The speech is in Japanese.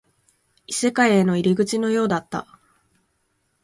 異世界への入り口のようだった